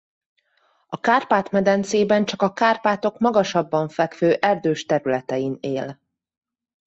A Kárpát-medencében csak a Kárpátok magasabban fekvő erdős területein él.